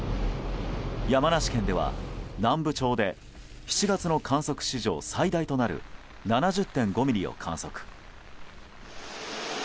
山梨県では南部町で７月の観測史上最大となる７０．５ミリを観測。